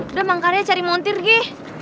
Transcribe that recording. udah emang karya cari montir gi